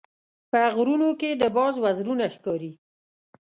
په غرونو کې د باز وزرونه ښکاري.